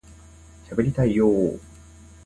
しゃべりたいよ～